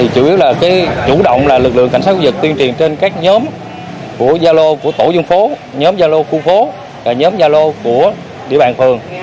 của gia lô của tổ dân phố nhóm gia lô khu phố và nhóm gia lô của địa bàn phường